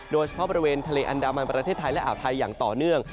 โดยเฉพาะบริเวณทะเลอันดามันประเทศไทยและอ่าวไทยอย่างต่อเนื่อง